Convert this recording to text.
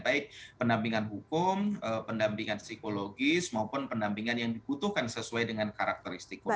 baik pendampingan hukum pendampingan psikologis maupun pendampingan yang dibutuhkan sesuai dengan karakteristik mereka